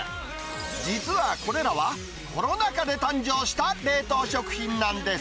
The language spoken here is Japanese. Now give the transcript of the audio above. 実はこれらは、コロナ禍で誕生した冷凍食品なんです。